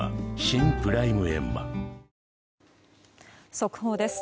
速報です。